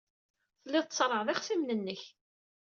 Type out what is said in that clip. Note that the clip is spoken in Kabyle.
Telliḍ tṣerrɛeḍ ixṣimen-nnek.